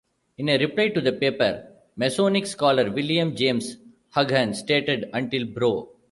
In a reply to the paper, Masonic scholar William James Hughan stated: Until Bro.